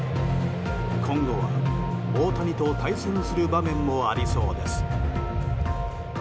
今後は大谷と対戦する場面もありそうです。